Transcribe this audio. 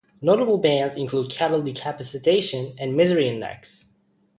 Notable bands include Cattle Decapitation and Misery Index.